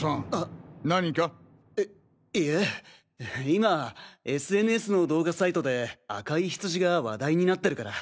今ＳＮＳの動画サイトで赤いヒツジが話題になってるから。